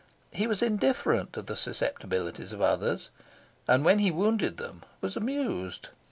He was indifferent to the susceptibilities of others, and when he wounded them was amused.